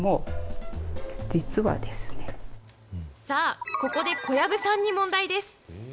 さあ、ここで小籔さんに問題です。